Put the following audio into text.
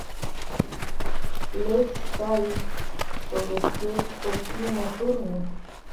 Let's Stay Together por Tina Turner.